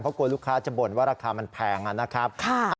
เพราะกลัวลูกค้าจะบ่นว่าราคามันแพงนะครับ